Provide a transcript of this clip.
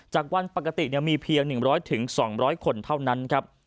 จากวันปกติเนี่ยมีเพียงหนึ่งร้อยถึงสองร้อยคนเท่านั้นครับ